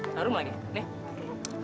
harum lagi nih